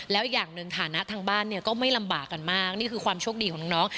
แล้วอย่างหนึ่งฐานะทางบ้านเนี่ยก็ไม่ลำบากกันมากนี่คือความโชคดีของน้อง